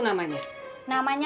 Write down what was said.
gajah itu dia als er dia